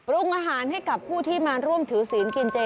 รุงอาหารให้กับผู้ที่มาร่วมถือศีลกินเจ